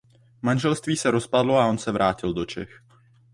Manželství se rozpadlo a on se vrátil do Čech.